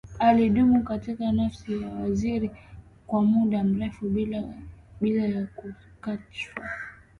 Alidumu katika nafasi ya uwaziri kwa muda mrefu bila ya kashfa